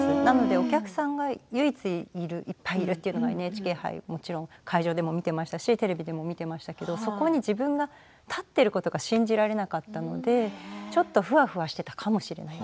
お客さんが唯一いっぱいいるというのがＮＨＫ杯もちろん会場でも見ていましたしテレビでも見ていましたがそこに自分が立っていることが信じられなかったのでちょっとふわふわしていたかもしれません。